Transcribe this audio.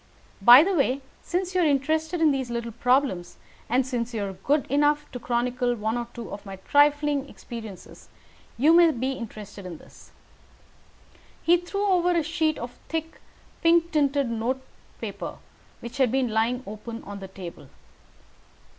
By the way, since you are interested in these little problems, and since you are good enough to chronicle one or two of my trifling experiences, you may be interested in this." He threw over a sheet of thick pink tinted note paper which had been lying open upon the table.